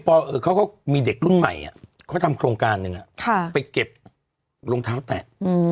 เขาก็มีเด็กรุ่นใหม่เขาทำโครงการหนึ่งไปเก็บรองเท้าแตะ